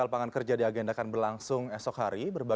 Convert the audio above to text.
laka lena yang sudah hadir